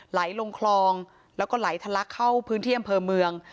ไหลลงคลองแล้วก็ไหลทะลักเข้าพื้นที่อำเภอเมือง